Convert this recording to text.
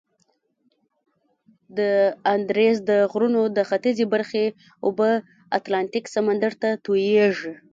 د اندیزد غرونو د ختیځي برخې اوبه اتلانتیک سمندر ته تویږي.